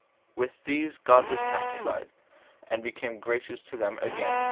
With these God was pacified, and became gracious to them again.